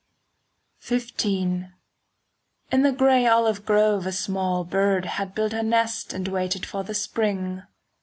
XV In the grey olive grove a small brown bird Had built her nest and waited for the spring.